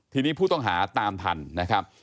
ทีนี้ผู้ต้องหาตามทันนะครับ